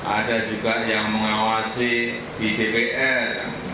ada juga yang mengawasi di dpr